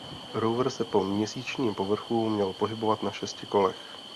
Rover se po měsíčním povrchu měl pohybovat na šesti kolech.